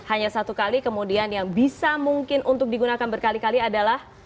hanya satu kali kemudian yang bisa mungkin untuk digunakan berkali kali adalah